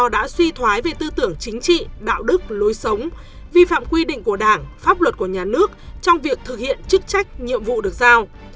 đã suy thoái về tư tưởng chính trị đạo đức lối sống vi phạm quy định của đảng pháp luật của nhà nước trong việc thực hiện chức trách nhiệm vụ được giao